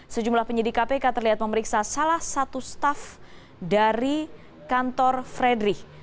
sejumlah penyidik kpk terlihat memeriksa salah satu staff dari kantor fredrik